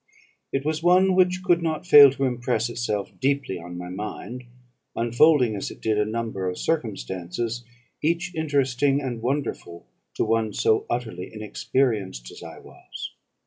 It was one which could not fail to impress itself deeply on my mind, unfolding as it did a number of circumstances, each interesting and wonderful to one so utterly inexperienced as I was.